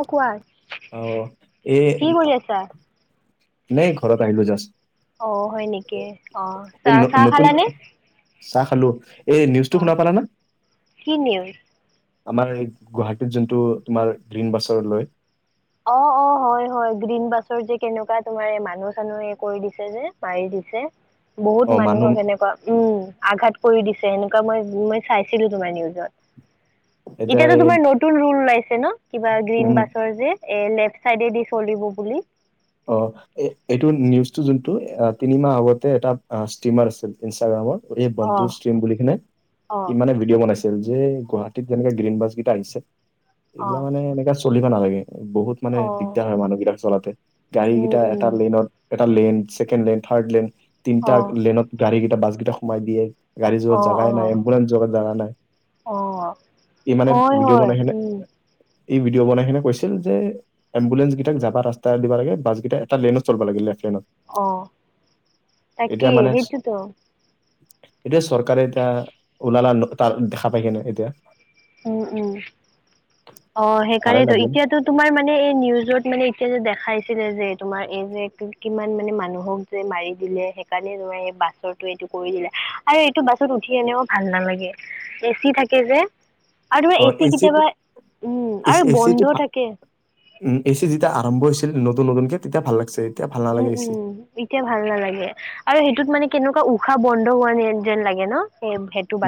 অ কোৱা অ এই কি কৰি আছা নাই ঘৰত আহিলো জাষ্ট অ হয় নেকি এ অ চাহ এই চাহ নতুন খালানে চাহ খালো এই নিউজটো অ শুনা পালানা কি নিউজ আমাৰ এই গুৱাহাটীত যোনটো তোমাৰ গ্ৰীণ বাছৰ লয় অ অ হয় হয় গ্ৰীণ বাছৰ যে কেনেকোৱা তোমাৰ এ মানুহ চানুহে কৰি দিছে যে মাৰি দিছে বহুত অ', মানুহ মানুহক এনেকোৱা উম আঘাত কৰি দিছে এনেকোৱা ম মই চাইছিলো তোমাৰ নিউজত এতিয়া এতিয়াতো এই তোমাৰ নতুন ৰুল ওলাইছে ন কিবা গ্ৰীণ উম, বাছৰ যে এ লেফ্ট চাইডে দি চলিব বুলি অ এ এইটো নিউজটো যোনটো তিনিমাহ আগতে এটা ষ্টিমাৰ আছিল ইনষ্টাগ্ৰামৰ এই অ বন্ধু ষ্ট্ৰীম বুলি কিনে অ ই মানে ভিডিঅ' বনাইছে যে গুৱাহাটীত যেনেকে গ্ৰীণ বাছ কেইটা আহিছে, অ এইগিলা মানে এনেকা চলিব নালাগে বহুত- মানে অ দিগদাৰ হয় মানুহবিলাক চলাওঁতে। উম এটা উম লেনত এটা লেন, ছেকেড লেন, থাৰ্ড লেন তিনিটা অ লেনত- গাড়ীকেইটা, বাছকেইটা সোমাই দিয়ে, গাৰেজত অ অ জাগাই নাই, এম্বুলেন্ঞ্চত জাগা নাই। অ ই মানে হয় ভিডিঅ' হয় বনাই কিনে- উম ই ভিডিঅ' বনাই খিনে কৈছিল যে এম্বুলেন্ঞ্চ কেইটাক যাবা ৰাস্তা দিবা লাগে। বাছকেইটা এটা লেনত চলিব লাগিলে ট্ৰেনত। অঁ, তাকে মানে সেইটোৱে ত। এতিয়া চৰকাৰে এতিয়া ওলালা ত দেখা পাই কেনে ন এতিয়া। উম উম, অঁ ভালে সেইকাৰণেইতো লাগিল এতিয়াতো- তোমাৰ মানে এই নিউজত মানে এতিয়া যে দেখাইছিলে যে তোমাৰ এই যে কিমান মানে মানুহক- যে মাৰি দিলে। সেইকাৰণে তই এই বাছৰ এইটো কৰি দিলে আৰু এইটো বাছত উঠি এনেও ভাল নালাগে। এ চি থাকে যে আৰু এচি কেতিয়াবা- উম, আৰু এচি এচি বন্ধ এচিটো- থাকে। উম, এ চি যেতিয়া আৰম্ভ হৈছিল নতুন নতুন কে তেতিয়া ভাল লাগিছে। এতিয়া ভাল উম নালাগে এ চি উম। এতিয়া ভাল নালাগে আৰু সেইটোত মানে কেনেকুৱা উশাহ বন্ধ হোৱা ন যেন লাগে ন।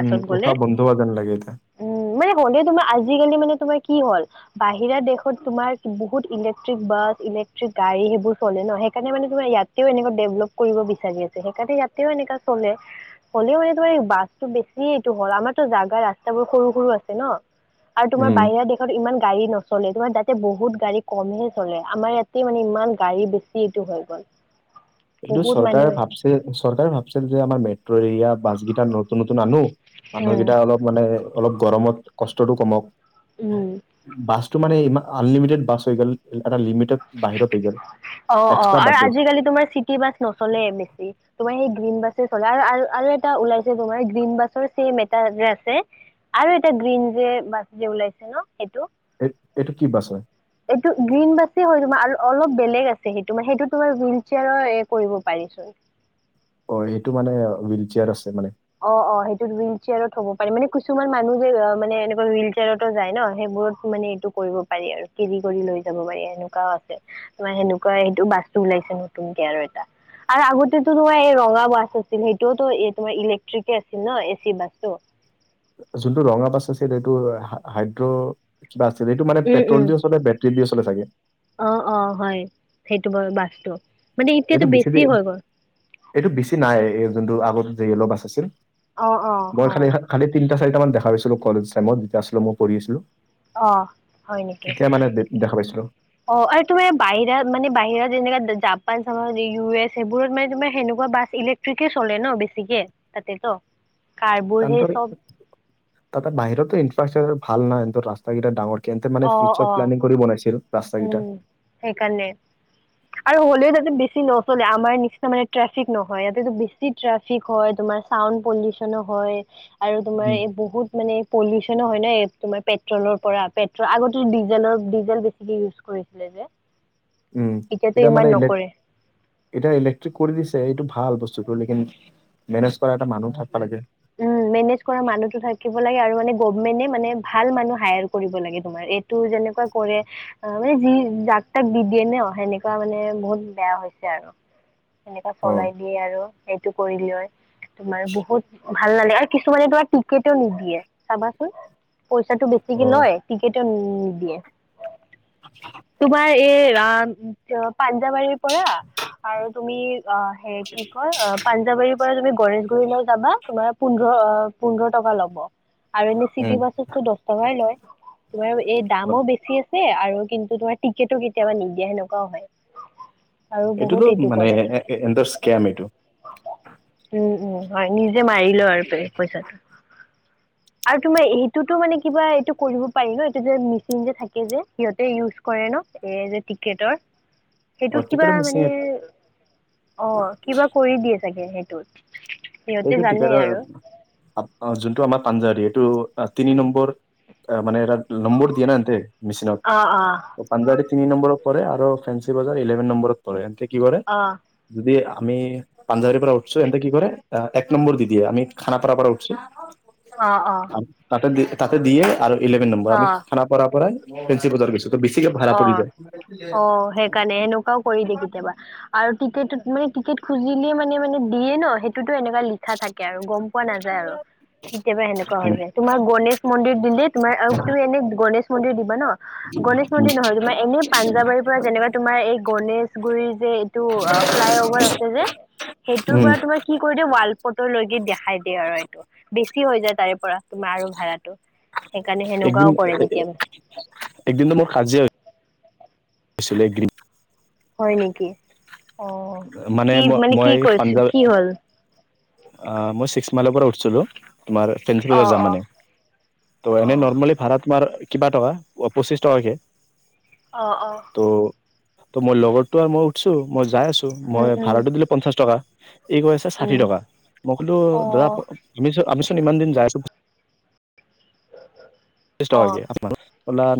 উম, গ'লে। উশাহ বন্ধ হোৱা যেন লাগে এতিয়া। উম মানে হলে তোমাৰ আজিকালি মানে তোমাৰ কি হ'ল- বাহিৰা দেশত তোমাৰ বহুত ইলেক্ট্ৰিক বাছ, ইলেক্ট্ৰিক গাড়ী সেইবোৰ চলে ন। সেইকাৰণে মানে তোমাৰ ইয়াতেও এনে ডেভলপ কৰিব বিচাৰি আছে। সেইকাৰণে ইয়াতেও এনেকা চলে। হ'লেও মানে তোমাৰ এই বাছতটো বেছি এইটো হল। আমাৰতো জাগা, ৰাস্তাবোৰ সৰু সৰু আছে ন। আৰু তোমাৰ উম, বাহিৰা দেশত ইমান গাড়ী নচলে, তোমাৰ তাতে বহুত গাড়ী কমহে চলে। আমাৰ ইয়াত- মানে ইমান গাড়ী বেছি এইটো হৈ গ'ল। এইটো বহুত চৰকাৰে মানুহে ভাবছে, চৰকাৰে ভাবছিল যে আমাৰ মেট্ৰ' এৰিয়া বাছ কেইটা নতুন নতুন আনো। উম, মানুহকেইটা অলপ মানে অলপ গৰমত কষ্টতটো কমক। উম। বাছটো মানে ইমান আনলিমিটেড বাছ হৈ গ'ল, এটা লিমিটেড বাহিৰত হৈ গল। অঁ অঁ এক্সট্ৰা আৰু বাছেছ আজিকালি তোমাৰ চিটি বাছ নচলে বেছি, তোমাৰ সেই- গ্ৰীন বাছে চলে আৰু আৰু এটা ওলাইছে তোমাৰ গ্ৰীণ বাছৰ ছেম এটা আছে। আৰু এটা গ্ৰীণ যে, বাছ যে ওলাইছে ন সেইটো। এই এইটো কি বাছ হয়? এইটো গ্ৰীণ বাছে হয় তো আৰু অলপ বেলেগ আছে সেইটো মানে সেইটো তোমাৰ হুইল চেয়াৰৰ কৰিব পাৰি চোন। অঁ সেইটো মানে হুইল চেয়াৰ আছে মানে। অঁ অঁ সেইটোত হুইল চেয়াৰত হ'ব পাৰে মানে কিছুমান মানুহ যে মানে এনেকুৱা হুইল চেয়াৰতো যায় ন সেইবোৰত মানে। কৰিব পাৰি আৰু কেৰি কৰি লৈ যাব পাৰি, এনেকুৱাওঁ আছে। তোমাৰ সেনেকুৱা সেইটো বাছটো ওলাইছে নতুনকে আৰু এটা। আৰু আগতে তু তোমাৰ এই ৰঙা বাছ আছিল। সেইটোও এ তোমাৰ ইলেক- ট্ৰিকে আছিল ন এ চি বাছটো। যোনটো ৰঙা বাছ আছিল এইটো হাইড্ৰ কিবা আছিল। সেইটো মানে পেট্ৰল দিওঁ চলে- চলে চাগে। অঁ অঁ হয়, সেইটো বৰ বাছটো। মানে এতিয়াতো এইটো বেছি, হৈ গ'ল এইটো বেছি নাই, এই যোনটো আগত যে য়ল' বাছ আছিল। অ অ মই খালি হয় খালি তিনিটা চাৰিটা মান দেখা পাইছিলো কলেজ টাইমত যেতিয়া আছিলে মই পঢ়ি আছিলো। অ তেতিয়া মানে দে দেখা পাইছিলোঁ। অঁ আৰু তোমাৰ বাহিৰত মানে বাহিৰত যেনেকা জাপান চাব, ইউ এছ সেইবোৰত মানে তোমাৰ সেনেকুৱা বাছ ইলে- কট্ৰিকে চলে ন বেছি কে তাতেতো। কাৰবোৰ সেই তহাতৰ চব তাতে বাহিৰতো ইনফ্ৰাষ্ট্ৰাকচাৰ ভাল নাইৰ ৰাস্তা কেইটা ডাঙৰ কেন্তে মানে অ অ ফিউচাৰ প্লেলিং কৰি বনাইছিল ৰাস্তা কেইটা উম সেইকাৰণে আৰু হ'লেও তাতে বেছি নচলে আমাৰ নিচিনা মানে ট্ৰেফিক নহয় ইয়াতে ব কি ট্ৰেফিক হয় তোমাৰ চাউণ্ড পলিউচনো হয় আৰু তোমাৰ উম এই বহুত মানে পলিউচনো হয় নে তোমাৰ পেট্ৰলৰ পৰা পেট্ৰল আগতে ডিজেলৰ ডিজেল বেছি ই ইউজ কৰি পেলে যে উম এতিয়াতো এতিয়া ইমান মানে ইলে নকৰে এতিয়া ইলেক্ট্ৰিক কৰি দিছে এইটো ভাল বস্তুটো লেকিন মেনেজ কৰা এটা মানুহ থাকিব লাগে উম মেনেজ কৰা মানুহটো থাকিব লাগে আৰু মানে গভমেন্টে মানে ভাল মানুহ হায়াৰ কৰিব লাগে তোমাৰ এই টো যেনেকুৱা কৰে অহ মানে যি যাক তাক দি দিয়ে নে সেনেকুৱা মানে বহুত বেয়া হৈছে আৰু সেনেকা অ চলাই দিয়ে আৰু সেইটো কৰি লৈ তোমাৰ বহুত ভাল নালাগে আৰু কিছুমানে তোমাৰ টিকেও নিদিয়ে চাবাচোন পইচাটো বেছিকে লয় উম টিকেটোও নি দিয়ে হয় [unintelligible] তোমাৰ এই আহ পাঞ্জাৱাৰীৰ পৰা আৰু তুমি অহ সেই কি কয় অহ পাঞ্জাবাৰীৰ পৰা তুমি গণেশগুৰিলৈ যাবা তোমাৰ পোন্ধৰ অ পোন্ধৰ টকা ল'ব আৰু এনে চিটি বাছতো দহ টকাই লয় তোমাৰ এই দামো হয়। বেছি আছে আৰু কিন্তু তোমাৰ টিকটো কেতিয়াবা নিদিয়া সেনেকুৱাও হয় অহ এইটোতো মানে এন্দ স্কেম এইটো উম উম হয় নিজে মাৰি আৰু বেলেগ পইচাটো আৰু তোমাৰ সেইটোতো মানে কিবা এইটো কৰিব পাৰি ন এইটো যে মেচিন যে থাকে যে সিহঁতে ইজ কৰে ন এই যে ক্ৰিকেটৰ অ সেইটোতো কিবা টিকেটৰ মিচিং মানে অহ কিবা কৰি দিয়ে চাগে সেইটোত সিহঁতে এইটো জানে টিকেটৰ আৰু অহ যোনটো আমাৰ পাঞ্জা এইটো তিনি নম্বৰ এ মানে লম্বৰ দিয়ে না এন্তে মিচিনত‌। অ অ পাঞ্জাবাৰী তিনি নম্বৰত পৰে আৰু ফেঞ্চি বজাৰ ইলেভেন নম্বৰত পৰে এন্ততে কি কৰে অ যদি আমি পাঞ্জাৱাৰীৰ পৰা উঠছো এন্তে কি কৰে - এক নম্বৰ দি দিয়া আমি খানাপাৰা পৰা উঠছো‌। অ তাতে দি তাতে দিয়ে আৰু ইলেভেন নম্বৰ অ আমি খানাপাৰ পৰাই ফেঞ্চি বজাৰ গৈছোঁ। তোৰ বেছিকে ভাড়া অ পৰি যায়। বাৰু কৰি দে কেতিয়াবা আৰু টিকেট মানে টিকেট খুজিলে মানে মানে দিয়ে ন সেইটোতো এনেকুৱা লি লিখা থাকে আৰু গম পোৱা নাযায় আৰু কেতিয়াবা সেনেকুৱা হৈ যায় তোমাৰ গণেশ মন্দিৰ দিলে তোমাৰ আৰু তুমি এনে গণেশ মন্দিৰ দিবা ন উ [unintelligible] গনেশ মন্দিৰ নহয় তোমাৰ এনে পাঞ্জাৱাৰীৰ পৰা যেনেকা তোমাৰ এই গণেশগুৰি যে তো অ ফ্লাই অভাৰ আছে যে সেইটোৰ উম পৰা তোমাৰ কি কৰি দিয়ে ৱালফটো লৈকে দেখাই দিয়ে আৰু এইটো বেছি হৈ যায় তাৰে পৰা তোমাৰ আৰু ভাড়াটো সেইকাৰণে সেনেকুৱাও কৰে কেতিয়াবা। একদিনটো মোৰ কাজিয়া হৈ হৈছিলে গে হয় নেকি অ কি মই মানে কি মই কৰিচিল কি হ'ল? অ মই ছিক্স মাইলৰ পৰা উঠিছিলোঁ তোমাৰ ফেঞ্চি অ বজাৰ যাম অ মানে ত' অ এনে নৰ্মেলি ভাড়া তোমাৰ কিবা টকা পঁচিশ টকাকে। অঁ অঁ। ত ত মোৰ লগৰটো আৰু মই উঠছো মই যাই আছো উম মই উম ভাড়াটো দিলো পঞ্চাশ টকা এই কৰি আছে উম ষাঠি টকা মই কলো অ দাদা তুমি আমিচোন ইমান দিন যাই ত্ৰিশ অ টকাকে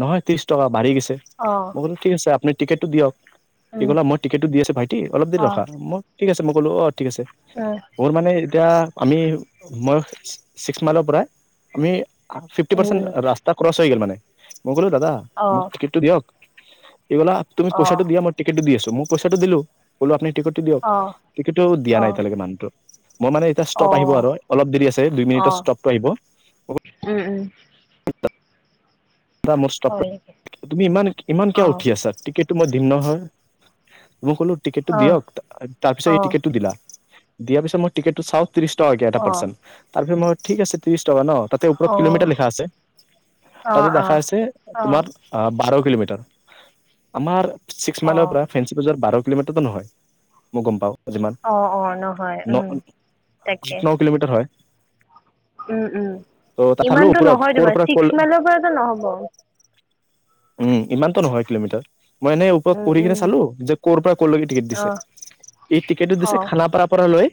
নহয় ত্ৰিশ টকা বাঢ়ি গৈছে অ মই কল ঠিক আছে আপুনি টিকেটটো দিয়ক উম কি কলা মই টিকেটটো দি আচো ভাইটি অলপ দেৰি অ ৰখা ম ঠিক আছে মই ক'লো অ ঠিক আছে। উম মোৰ মানে এতিয়া আমি মই ছিক্স মাইলৰ পৰাই আমি ফিফটি উম পাৰ্চেণ্ট উম ৰাস্তা ক্ৰচ হৈ গল মানে মই ক'লো দাদা অ মোক টিকটটো দিয়ক এই বা তুমি অ পইচা দিয়া মই টিকটটো দি আছো মই পইছাটো দিলো আপুনি টিকটটো দিয়ক অ টিকটো দিয়া অ নাই এতিয়ালৈকে মানুহতো মই মানে এ অ ষ্টপ আহিব আৰু অলপ দেৰি আছে দুই অ মিনিটত ষ্টপটো আহিব উম উম দাদা মোৰ ষ্টপ হয় নেকি তুমি ইমান ইমান অ কিয় উঠি আছা টিকট মই দিম নহয় মই ক'লো টিকেটটো অ দিয়ক তাৰ পিছত অ অ এই টিকেটটো দিলা দিয়াৰ পিছত মই টিকেটো চাও ত্ৰিশ টকাকে এটা অ অ অ পাৰ্চন, তাৰ পিছত মই ঠিক আছে ত্ৰিশ টকা ন? তাতে ওপৰত কিলোমিটাৰ লিখা আছে। তাতে অ দেখাই আছে তোমাৰ অ বাৰ কিলোমিটাৰ আমাৰ ছিক্স মাইলৰ পৰা ফেঞ্চি বজাৰ বাৰ কিলোমিটাৰতো নহয় মই গম পাওঁ। যিমান অ অ নহয় ন উম তাকে ন কিলোমিটাৰ হয়। উম ত' তাত উম চালো ইমানটো ওপৰত নহয় ক'ৰ তোমাৰ পৰা ক'ৰ ছিক্স মাইলৰ পৰাতো নহ'ব। উম ইমানটো নহয় কিলোমিটাৰ। মই এনে ওপৰত উম পঢ়ি উম কিনে চালো যে কৰ'ৰ পৰা কলৈকে টিকেট অ দিছে। এই টিকেটটো অ দিছে খানাপাৰাৰ পৰা লৈ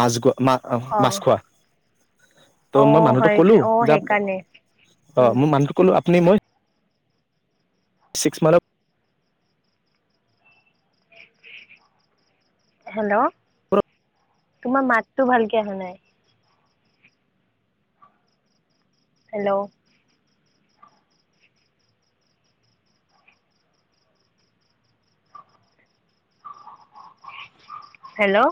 মাছ খো অ মাছ খোৱা অ ত' মই হয় মানুহটোক কলো অ যে সেইকাৰণে অ উম, মই মানুহটো ক'লো আপুনি মই ছিক্স মাইল হেল্ল' তোমাৰ মাতটো ভালকে অহা নাই। Hello hello